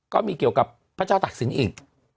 ก็มีเกี่ยวกับพระเจ้าตักศิลป์อีก